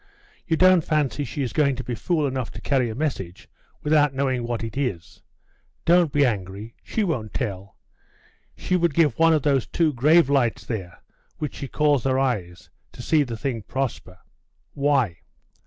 You don't fancy she is going to be fool enough to carry a message without knowing what it is? Don't be angry; she won't tell. She would give one of those two grave lights there, which she calls her eyes, to see the thing prosper.' 'Why?